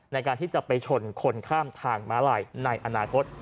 ในการที่จะไปชนคนข้ามทางม้าลายในอนาคต